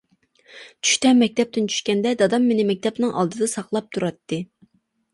چۈشتە مەكتەپتىن چۈشكەندە دادام مېنى مەكتەپنىڭ ئالدىدا ساقلاپ تۇراتتى.